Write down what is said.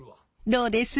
どうです？